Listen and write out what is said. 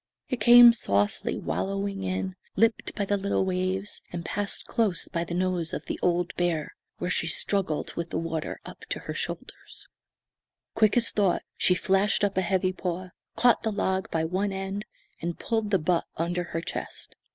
It came softly wallowing in, lipped by the little waves, and passed close by the nose of the old bear, where she struggled with the water up to her shoulders. [Illustration: "PULLED THE BUTT UNDER HER CHEST."] Quick as thought she flashed up a heavy paw, caught the log by one end, and pulled the butt under her chest.